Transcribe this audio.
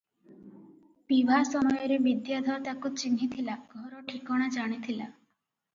ବିଭା ସମୟରେ ବିଦ୍ୟାଧର ତାକୁ ଚିହ୍ନିଥିଲା, ଘର ଠିକଣା ଜାଣିଥିଲା ।